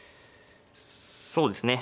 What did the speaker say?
そうですね。